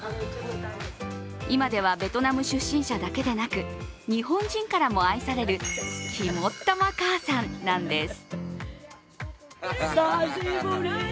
今では、ベトナム出身者だけでなく日本人からも愛される肝っ玉母さんなんです。